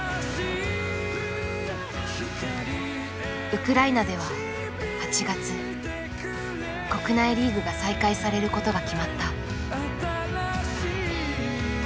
ウクライナでは８月国内リーグが再開されることが決まった。